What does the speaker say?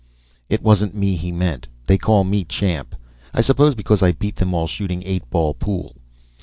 It wasn't me he meant they call me "Champ," I suppose because I beat them all shooting eight ball pool.